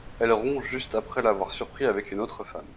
Elle rompt juste après l'avoir surpris avec une autre femme.